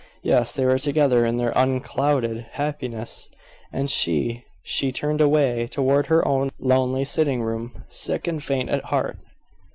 Yes, they were together in their unclouded happiness, and she she turned away toward her own lonely sitting room, sick and faint at heart.